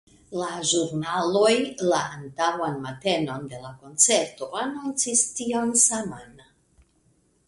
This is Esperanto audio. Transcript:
La ĵurnaloj la antaŭan matenon de la koncerto anoncis tion saman.